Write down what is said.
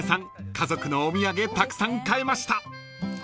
家族のお土産たくさん買えました］